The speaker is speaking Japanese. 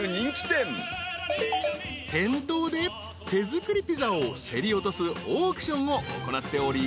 ［店頭で手作りピザを競り落とすオークションを行っており］